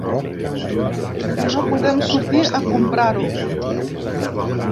I no podem sortir a comprar-ho.